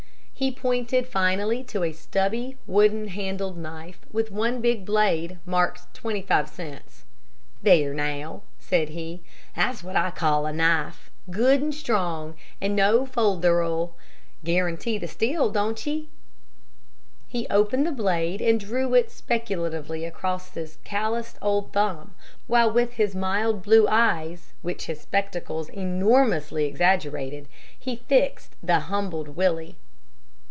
He pointed finally to a stubby, wooden handled knife with one big blade, marked 25c. "There, now," said he, "that's what I call a knife. Good and strong, and no folderol. Guarantee the steel, don't ye?" He opened the blade and drew it speculatively across his calloused old thumb, while with his mild blue eyes, which his spectacles enormously exaggerated, he fixed the humbled Willie.